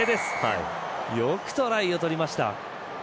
よくトライを取りました。